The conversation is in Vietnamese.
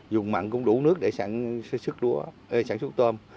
dùng mặn cũng đủ nước để sản xuất tôm